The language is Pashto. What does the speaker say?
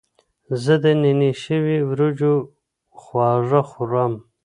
زه د نینې شوي وریجو خواږه خوړم.